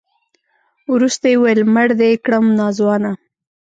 وروسته يې وويل مړ دې کړم ناځوانه.